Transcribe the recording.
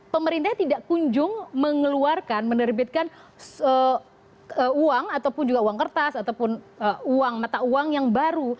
pemerintah tidak kunjung mengeluarkan menerbitkan uang ataupun juga uang kertas ataupun uang mata uang yang baru